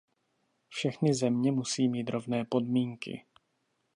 Všechny země musí mít rovné podmínky.